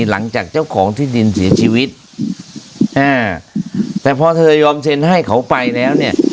หลังจากเจ้าของที่ดินเสียชีวิตอ่าแต่พอเธอยอมเซ็นให้เขาไปแล้วเนี่ย